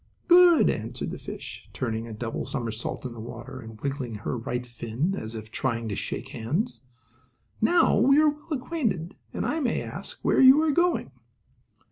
"Good," answered the fish, turning a double somersault in the water and wiggling her right fin as if trying to shake hands. "Now we are well acquainted. And may I ask where you are going?"